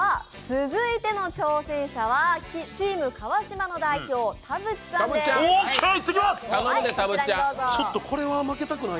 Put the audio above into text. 続いての挑戦者はチーム川島の代表、田渕さんです。